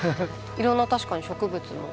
いろんな確かに植物の。